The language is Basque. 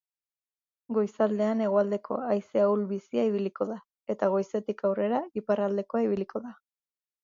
Goizaldean hegoaldeko haize ahul-bizia ibiliko da eta goizetik aurrera iparraldekoa ibiliko da.